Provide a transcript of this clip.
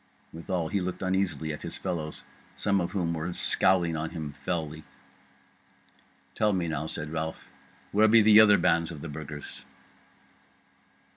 Withal he looked uneasily at his fellows, some of whom were scowling on him felly. "Tell me now," said Ralph, "where be the other bands of the Burgers?"